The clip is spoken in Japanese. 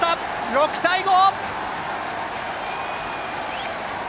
６対５！